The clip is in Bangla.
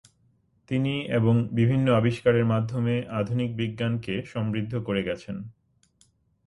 তিনি এবং বিভিন্ন আবিষ্কারের মাধ্যমে আধুনিক বিজ্ঞানকে সমৃদ্ধ করে গেছেন।